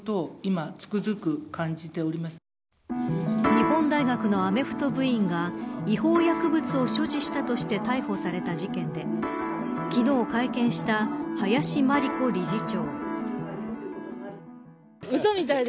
日本大学のアメフト部員が違法薬物を所持していたとして逮捕された事件で昨日会見した林真理子理事長。